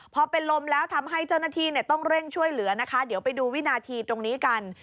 พอเป็นลมแล้วทำให้เจ้าหน้าที่ต้องเร่งช่วยเหลือนะคะเดี๋ยวไปดูวินาทีตรงนี้กัน